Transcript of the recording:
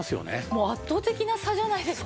もう圧倒的な差じゃないですか。